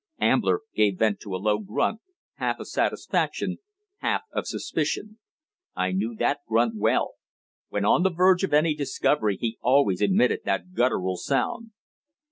Ambler gave vent to a low grunt, half of satisfaction, half of suspicion. I knew that grunt well. When on the verge of any discovery he always emitted that guttural sound.